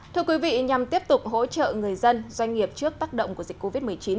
thưa quý vị nhằm tiếp tục hỗ trợ người dân doanh nghiệp trước tác động của dịch covid một mươi chín